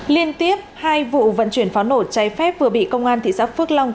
liên tiếp hai vụ vận chuyển pháo nổ cháy phép vừa bị công an thị xã phước long